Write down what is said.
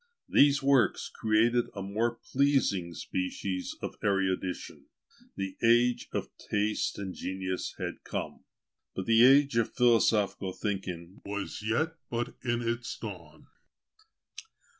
These works created a more pleasing species of erudition: the age of taste and genius had come; but the age of philosophical thinking was yet but in its dawn.